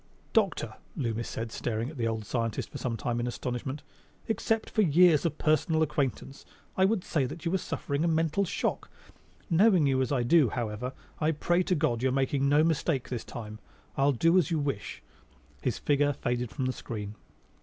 "Doctor," Loomis said after staring at the old scientist some time in astonishment, "except for years of personal acquaintance, I would say that you were suffering a mental shock. Knowing you as I do, however, I pray to God you're making no mistake this time. I'll do as you wish." His figure faded from the screen.